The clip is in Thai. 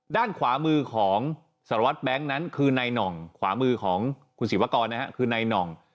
ด้านขวามือของสารวัตน์แบงค์นั้นคือในหน่องขวามือของคุณสิบวกรนะครับคือในหน่อง